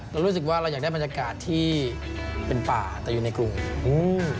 เรารู้สึกว่าเราอยากได้บรรยากาศที่เป็นป่าแต่อยู่ในกรุงอืม